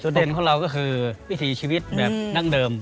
เด่นของเราก็คือวิถีชีวิตแบบดั้งเดิม